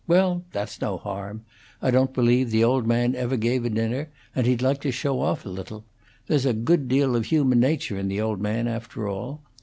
Well, that's no harm. I don't believe the old man ever gave a dinner, and he'd like to show off a little; there's a good deal of human nature in the old man, after all.